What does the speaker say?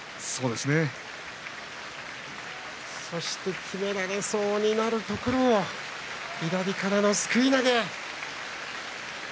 そしてきめられそうになるところを左からのすくい投げ。